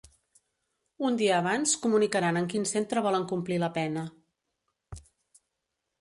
Un dia abans comunicaran en quin centre volen complir la pena.